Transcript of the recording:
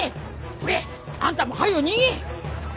ほれあんたも早う逃げ！